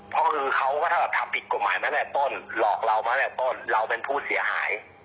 เพราะเขาก็ถ้าทำผิดกฎหมายมาแม่ต้นหลอกเรามาแม่ต้นเราเป็นผู้เสียหาย